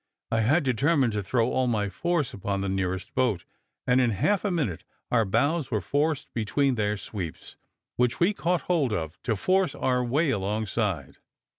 I had determined to throw all my force upon the nearest boat, and in half a minute our bows were forced between their sweeps, which we caught hold of to force our way alongside.